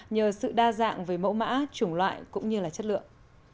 nhờ sự đa dạng về mẫu mã chủng loại cũng như là chất lượng